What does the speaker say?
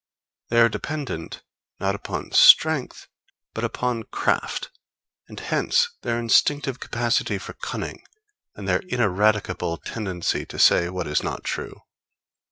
They are dependent, not upon strength, but upon craft; and hence their instinctive capacity for cunning, and their ineradicable tendency to say what is not true.